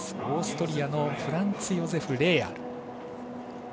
オーストリアのフランツヨゼフ・レーアル。